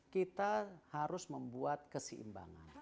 kita harus membuat keseimbangan